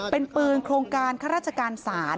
เป็นปืนโครงการข้าราชการศาล